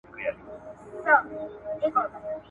توپان راغی او د ټولو مړه سول غړي ,